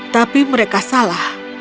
tapi mereka salah